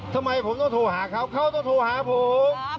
ทำไมผมต้องโทรหาเขาเขาต้องโทรหาผม